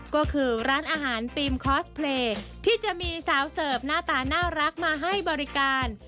ก็คือร้านอาหารธีมคอสเพลย์ที่จะมีสาวเสิร์ฟหน้าตาน่ารักมาให้บริการ